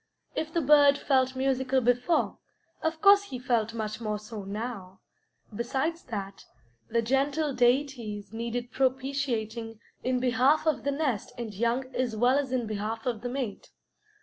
If the bird felt musical before, of course he felt much more so now. Besides that, the gentle deities needed propitiating in behalf of the nest and young as well as in behalf of the mate.